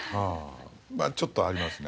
まあちょっとありますね。